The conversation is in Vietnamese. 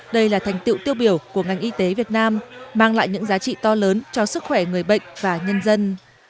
đây là thành tiệu tiêu biểu của ngành y tế việt nam mang lại những giá trị to lớn cho sức khỏe người bệnh và nhân dân